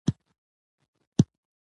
خدمت باید د لاسرسي وړ وي.